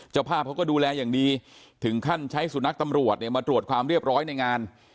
เจ้าภาพเขาก็ดูแลอย่างดีถึงขั้นใช้สุนัขตำรวจเนี่ยมาตรวจความเรียบร้อยในงาน